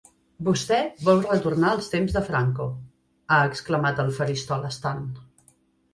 Vostè vol retornar als temps de Franco, ha exclamat del faristol estant.